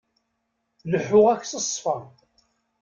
Leḥḥuɣ-ak s ṣṣfa.